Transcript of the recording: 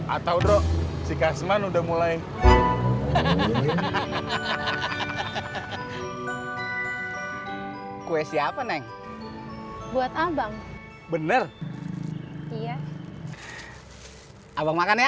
atau dro si kasman udah mulai kue siapa neng buat abang bener iya abang makan ya